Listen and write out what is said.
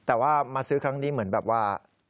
แต่ว่ามาซื้อครั้งนี้เหมือนแบบว่า